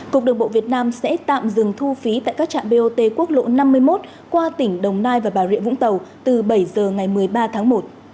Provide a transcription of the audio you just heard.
cục đường bộ việt nam sẽ tạm dừng thu phí tại các trạm bot quốc lộ năm mươi một qua tỉnh đồng nai và bà rịa vũng tàu từ bảy giờ ngày một mươi ba tháng một